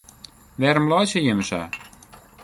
Wêrom laitsje jimme sa?